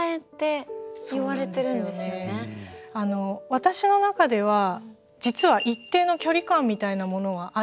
私の中では実は一定の距離感みたいなものがあるんですよ。